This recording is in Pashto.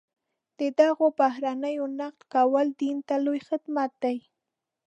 د دغو بهیرونو نقد کول دین ته لوی خدمت دی.